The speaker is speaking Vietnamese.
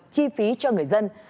chi phí cho người dân